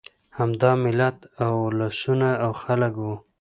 همدا ملت، اولسونه او خلک وو.